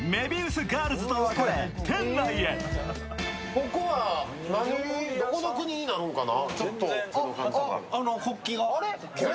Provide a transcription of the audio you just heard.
ここはどこの国になるんかな？